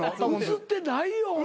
映ってないよお前。